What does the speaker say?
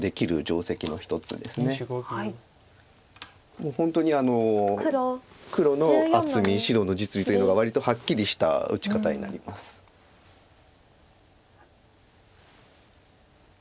もう本当に黒の厚み白の実利というのが割とはっきりした打ち方になります。